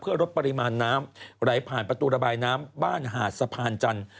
ลดปริมาณน้ำไหลผ่านประตูระบายน้ำบ้านหาดสะพานจันทร์